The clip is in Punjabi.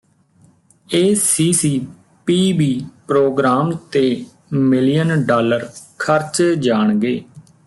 ਏਸੀਸੀਪੀਬੀ ਪ੍ਰੋਗਰਾਮ ਤੇ ਮਿਲੀਅਨ ਡਾਲਰ ਖਰਚੇ ਜਾਣਗੇ